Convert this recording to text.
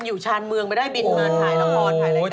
มันอยู่ชานเมืองไปได้บินเมืองถ่ายละครถ่ายรายการโอ้โฮ